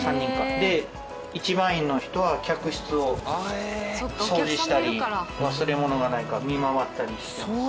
で一番員の人は客室を掃除したり忘れ物がないか見回ったりしてます。